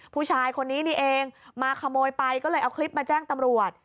ผู้ชายคนนี้นี่เองมาขโมยไปก็เลยเอาคลิปมาแจ้งตำรวจ